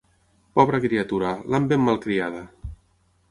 Pobra criatura, l'han ben malcriada!